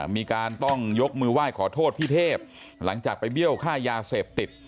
มีการต้องยกมือไหว้ขอโทษพี่เทพหลังจากไปเบี้ยวค่ายาเสพติด